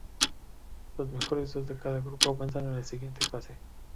Los mejores dos de cada grupo avanzan a la siguiente fase.